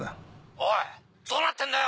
おいどうなってんだよ！